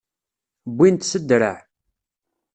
Wwin-t s ddreε.